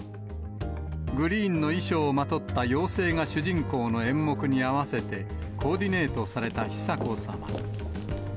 グリーンの衣装をまとった妖精が主人公の演目に合わせて、コーディネートされた久子さま。